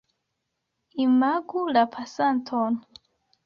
Imagu la pasanton.